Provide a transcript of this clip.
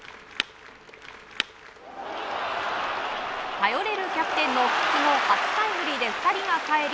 頼れるキャプテンの復帰後初タイムリーで２人がかえり